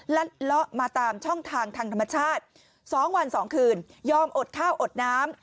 เลาะมาตามช่องทางทางธรรมชาติ๒วัน๒คืนยอมอดข้าวอดน้ำ